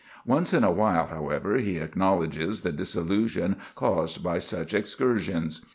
Once in a while, however, he acknowledges the disillusion caused by such excursions.